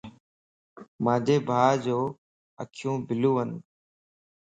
مانجي ڀاجو اکيون بلوون